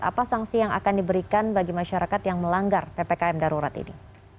apa sanksi yang akan diberikan bagi masyarakat yang melanggar ppkm darurat ini